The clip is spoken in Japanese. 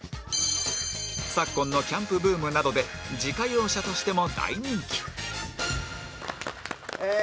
昨今のキャンプブームなどで自家用車としても大人気ええー